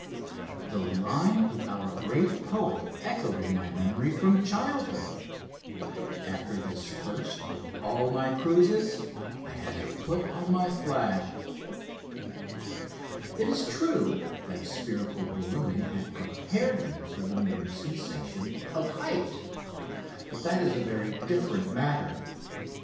The line of our great poet echoed in my memory from childhood. After this first of all my cruises I had it put on my flag. It is true that spherical ballooning had prepared me for the mere sensation of height; but that is a very different matter.